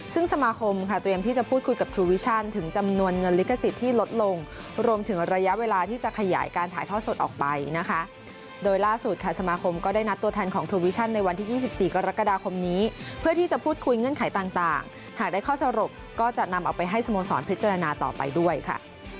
ซึ่งสมาคมค่ะเตรียมที่จะพูดคุยกับทูวิชั่นถึงจำนวนเงินลิขสิทธิ์ที่ลดลงรวมถึงระยะเวลาที่จะขยายการถ่ายทอดสดออกไปนะคะโดยล่าสุดค่ะสมาคมก็ได้นัดตัวแทนของทูวิชั่นในวันที่๒๔กรกฎาคมนี้เพื่อที่จะพูดคุยเงื่อนไขต่างหากได้ข้อสรุปก็จะนำออกไปให้สโมสรพิจารณาต่อไปด้วยค่ะ